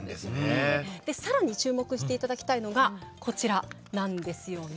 更に注目して頂きたいのがこちらなんですよね。